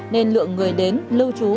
nên lượng người đến lưu trú